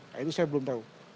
nah itu saya belum tahu